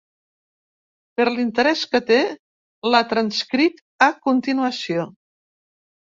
Per l’interès que té, la transcric a continuació.